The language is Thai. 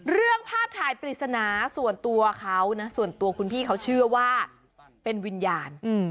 เรื่องภาพถ่ายปริศนาส่วนตัวเขานะส่วนตัวคุณพี่เขาเชื่อว่าเป็นวิญญาณ